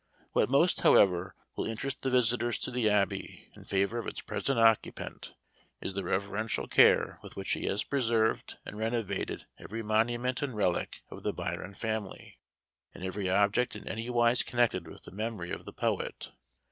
What most, however, will interest the visitors to the Abbey in favor of its present occupant, is the reverential care with which he has preserved and renovated every monument and relic of the Byron family, and every object in anywise connected with the memory of the poet.